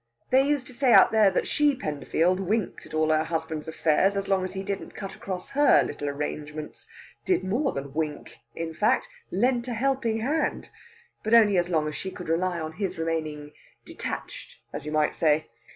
They used to say out there that the she Penderfield winked at all her husband's affairs as long as he didn't cut across her little arrangements did more than wink, in fact lent a helping hand; but only as long as she could rely on his remaining detached, as you might say.